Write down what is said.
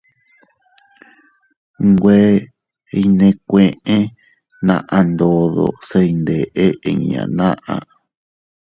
Nwe iynèkueʼe naʼa ndodo se iyndeʼe inña naʼa.